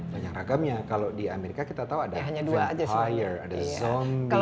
banyak ragamnya kalau di amerika kita tahu ada vampire ada zombie